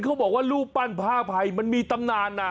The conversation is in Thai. เขาบอกว่าลูปปั้นพระอาพัยมันมีตำนานนะ